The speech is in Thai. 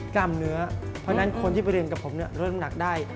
คนเดียวยังเยอะครับ